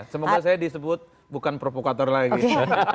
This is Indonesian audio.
semoga saya disebut bukan provokator lagi